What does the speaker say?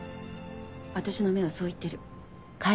私の目はそう言ってる。